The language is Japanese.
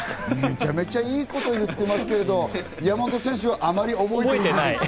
めちゃめちゃいいこと言ってますけど、山本選手はあまり覚えていない。